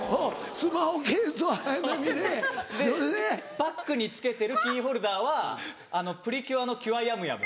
バッグに付けてるキーホルダーは『プリキュア』のキュアヤムヤム。